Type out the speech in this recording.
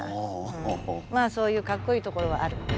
まあそういうかっこいいところはある。